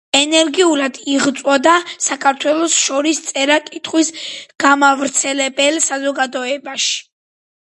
ენერგიულად იღვწოდა ქართველთა შორის წერა–კითხვის გამავრცელებელ საზოგადოებაში.